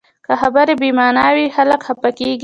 که خبرې بې معنا وي، خلک خفه کېږي